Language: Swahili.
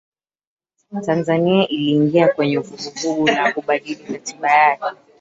Tanzania iliingia kwenye vuguvugu la kubadili Katiba yake